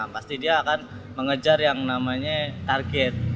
pasti dia akan mengejar yang namanya target